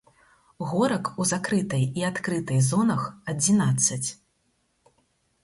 Горак у закрытай і адкрытай зонах адзінаццаць.